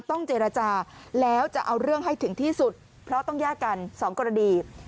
ต้องเจรจาแล้วจะเอาเรื่องให้ถึงที่สุดเพราะต้องแยกกันสองกรณี